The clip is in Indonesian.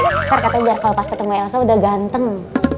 ntar katanya biar kalau pas ketemu elsa udah ganteng